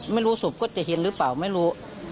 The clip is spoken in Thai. ไม่รู้ศพก็จะเห็นหรือเปล่าไม่รู้